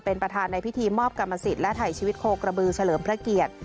เป็นประธานในพิธีมอบกรรมสิทธิ์และถ่ายชีวิตโคกระบือเฉลิมพระเกียรติ